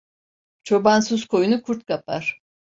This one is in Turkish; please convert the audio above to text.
Çobansız koyunu kurt kapar.